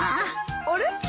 あれ？